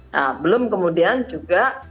nah belum kemudian juga